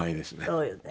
そうよね。